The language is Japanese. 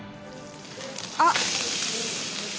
あっ！